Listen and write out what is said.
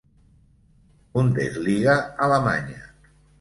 Bundesliga alemanya.